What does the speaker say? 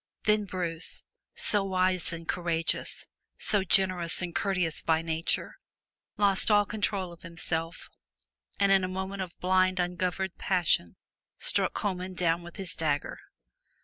Then Bruce, so wise and courageous, so generous and courteous by nature, lost all control of himself, and in a moment of blind ungoverned passion, struck Comyn down with his dagger.